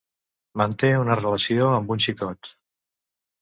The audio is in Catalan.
Manté una relació amb un xicot.